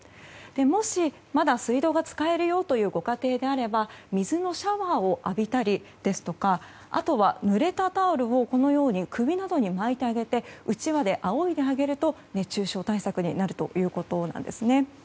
もし、まだ水道が使えるよというご家庭であれば水のシャワーを浴びたりですとかあとは、ぬれたタオルを首などに巻いてあげてうちわであおいであげると熱中症対策になるということなんです。